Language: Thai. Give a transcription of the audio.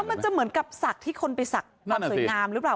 แล้วมันจะเหมือนกับสักที่คนไปสักต่อสวยงามหรือเปล่า